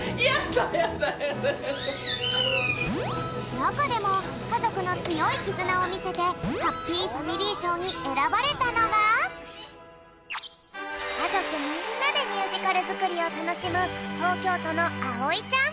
なかでもかぞくのつよいきずなをみせてハッピーファミリーしょうにえらばれたのがかぞくみんなでミュージカルづくりをたのしむとうきょうとのあおいちゃん。